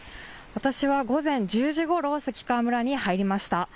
私は午前１０時ごろ関川村に入りました。